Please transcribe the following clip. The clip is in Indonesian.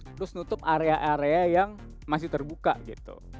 terus nutup area area yang masih terbuka gitu